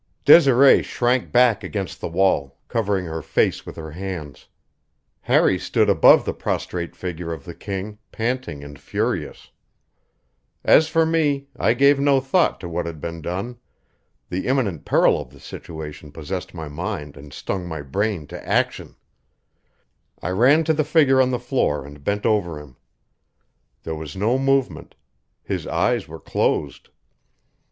Desiree shrank back against the wall, covering her face with her hands. Harry stood above the prostrate figure of the king, panting and furious. As for me, I gave no thought to what had been done the imminent peril of the situation possessed my mind and stung my brain to action. I ran to the figure on the floor and bent over him. There was no movement his eyes were closed.